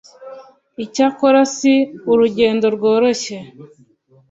Icyakora si urugendo rworoshye